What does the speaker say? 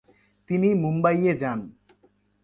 তিনি মুম্বাইয়ে যান